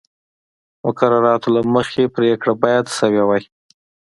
مقرراتو له مخې پرېکړه باید شوې وای.